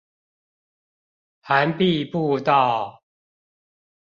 涵碧步道